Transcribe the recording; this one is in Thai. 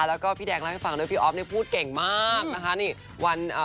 แล้วก็พี่แดกรับให้ฟังด้วยพี่อ๊อฟพูดเก่งมากนะคะ